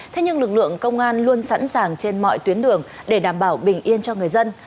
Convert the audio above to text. thế nhưng lực lượng công an luôn sẵn sàng trên mọi tuyến đường để đảm bảo bình yên cho người dân